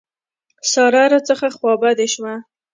سارا راڅخه خوابدې شوه.